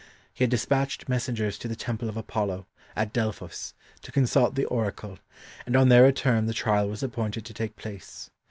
He had despatched messengers to the Temple of Apollo, at Delphos, to consult the Oracle, and on their return the trial was appointed to take place.